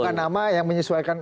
bukan nama yang menyesuaikan